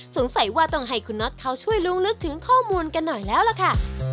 สงสัยว่าต้องให้คุณน็อตเขาช่วยลุงลึกถึงข้อมูลกันหน่อยแล้วล่ะค่ะ